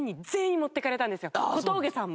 小峠さんも。